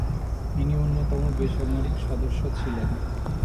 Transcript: তিনি অন্যতম বেসামরিক সদস্য ছিলেন।